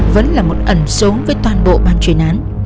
vẫn là một ẩn số với toàn bộ ban chuyển án